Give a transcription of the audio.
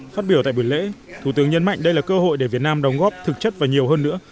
phát biểu tại buổi lễ thủ tướng nhấn mạnh đây là cơ hội để việt nam đóng góp thực chất và nhiều hơn nữa